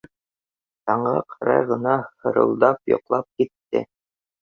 Таңға ҡарай ғына хырылдап йоҡлап китте.